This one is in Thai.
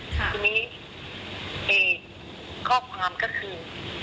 ทีนี้อีกข้อความก็คือ